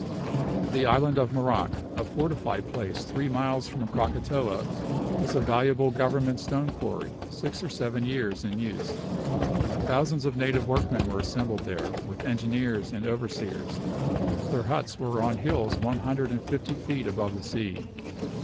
The island of Merak, a fortified place three miles from Krakatoa, was a valuable Government stone quarry, six or seven years in use. Thousands of native workmen were assembled there, with engineers and overseers. Their huts were on hills one hundred and fifty feet above the sea.